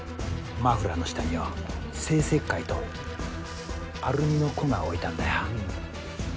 マフラーの下によ生石灰とアルミの粉を置いたんだよ。